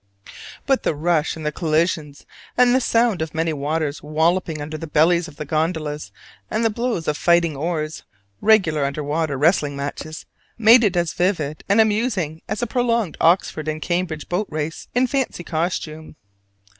Hut the rush and the collisions, and the sound of many waters walloping under the bellies of the gondolas, and the blows of fighting oars regular underwater wrestling matches made it as vivid and amusing as a prolonged Oxford and Cambridge boat race in fancy costume.